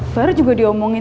baru juga diomongin